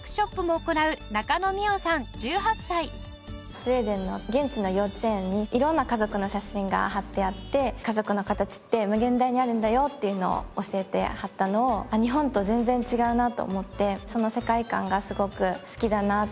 スウェーデンの現地の幼稚園に色んな家族の写真が貼ってあって家族のかたちって無限大にあるんだよっていうのを教えてはったのを日本と全然違うなと思ってその世界観がすごく好きだなって思いました。